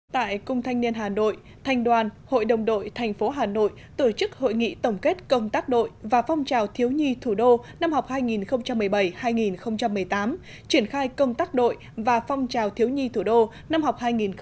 tại cung thanh niên hà nội thanh đoàn hội đồng đội thành phố hà nội tổ chức hội nghị tổng kết công tác đội và phong trào thiếu nhi thủ đô năm học hai nghìn một mươi bảy hai nghìn một mươi tám triển khai công tác đội và phong trào thiếu nhi thủ đô năm học hai nghìn một mươi chín hai nghìn một mươi chín